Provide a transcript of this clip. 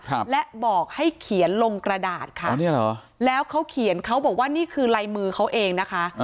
ครับและบอกให้เขียนลงกระดาษค่ะอ๋อเนี้ยเหรอแล้วเขาเขียนเขาบอกว่านี่คือลายมือเขาเองนะคะ